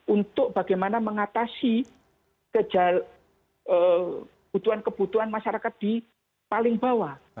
untuk bagaimana mengatasi kebutuhan kebutuhan masyarakat di paling bawah